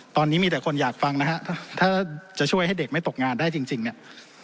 ตอนนี้มีแต่คนอยากฟังนะฮะถ้าจะช่วยให้เด็กไม่ตกงานได้จริงเนี่ย